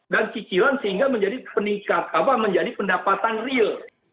dan cicilan sehingga menjadi pendapatan real